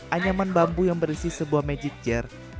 anyaman bambu yang berisi sebuah magic jar